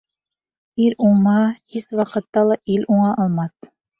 Ир уңмаһа, һис ваҡытта ил уңа алмаҫ.